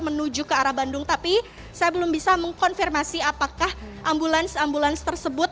menuju ke arah bandung tapi saya belum bisa mengkonfirmasi apakah ambulans ambulans tersebut